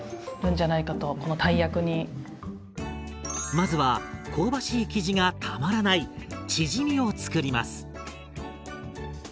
まずは香ばしい生地がたまらないチヂミを作ります！